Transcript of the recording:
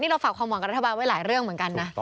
เราฝากความหวังกับรัฐบาลไว้หลายเรื่องเหมือนกันนะ